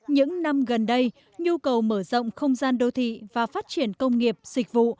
những năm gần đây nhu cầu mở rộng không gian đô thị và phát triển công nghiệp dịch vụ